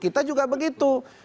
kita juga begitu